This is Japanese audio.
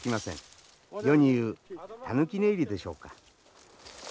世に言うたぬき寝入りでしょうか。